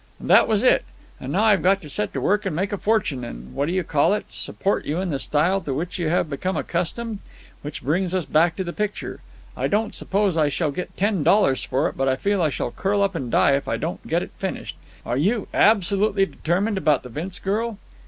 "That was it. And now I've got to set to work and make a fortune and—what do you call it?—support you in the style to which you have been accustomed. Which brings us back to the picture. I don't suppose I shall get ten dollars for it, but I feel I shall curl up and die if I don't get it finished. Are you absolutely determined about the Vince girl?"